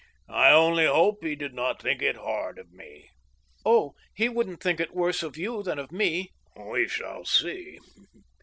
... I only hope he did not think it hard of me." " Oh ! he wouldn't think it worse of you than of me." We shall see.